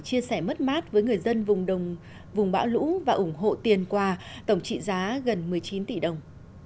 chia sẻ mất mát với người dân vùng bão lũ và ủng hộ tiền quà tổng trị giá gần một mươi chín tỷ đồng